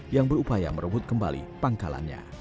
yang berupaya merebut kembali pangkalannya